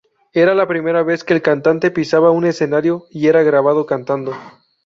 Era la primera vez que el cantante pisaba un escenario y era grabado cantando.